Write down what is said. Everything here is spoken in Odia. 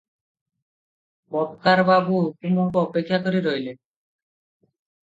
ପେପ୍କାର ବାବୁ ହୁକୁମକୁ ଅପେକ୍ଷା କରି ରହିଲେ ।